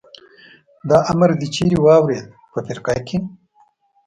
دا امر دې چېرې واورېد؟ په فرقه کې.